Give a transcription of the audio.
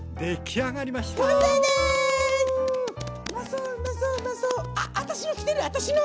あっ私の来てる私の！